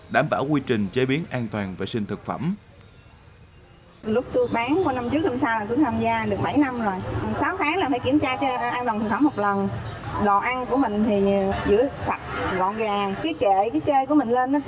đảm bảo quy trình chế biến an toàn vệ sinh thực phẩm